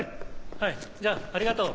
はいじゃあありがとう。